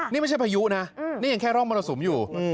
นี่ไม่ใช่พายุนะนี่ยังแค่ร่องมรสุมอยู่